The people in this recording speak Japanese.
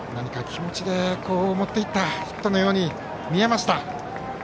気持ちで持っていったヒットのように見えました。